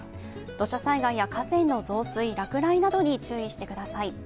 土砂災害や河川の増水、落雷などに注意してください。